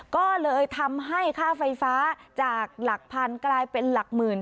ก็เลยทำให้ค่าไฟฟ้าจากหลักพันกลายเป็นหลักหมื่น